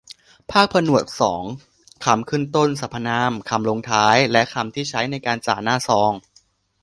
ภาคผนวกสอง คำขึ้นต้น สรรพนาม คำลงท้าย และคำที่ใช้ในการจ่าหน้าซอง